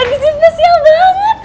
ini spesial banget